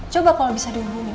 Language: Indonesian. coba kalau bisa dihubungin